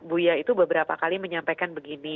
buya itu beberapa kali menyampaikan begini